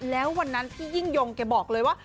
แล้ววันนั้นพี่ยิ่งยงแกบอกเลยว่า